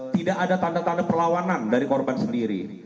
tidak ada tanda tanda perlawanan dari korban sendiri